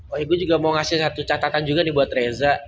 oh ibu juga mau ngasih satu catatan juga nih buat reza